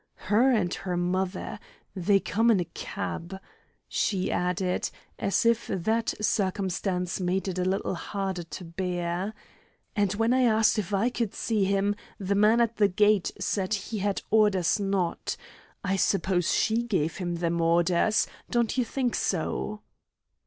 "Her and her mother. They come in a cab," she added, as if that circumstance made it a little harder to bear. "And when I asked if I could see him, the man at the gate said he had orders not. I suppose she gave him them orders. Don't you think so?"